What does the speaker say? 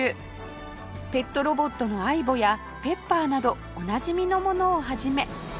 ペットロボットの ＡＩＢＯ や Ｐｅｐｐｅｒ などおなじみのものを始め